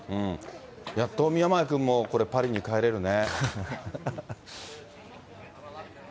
やっと宮前君もこれ、パリに帰れるね。